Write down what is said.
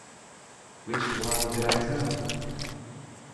Which Lie Did I Tell?